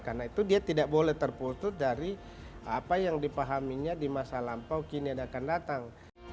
karena itu dia tidak boleh terputut dari apa yang dipahaminya di masa lampau kini akan datang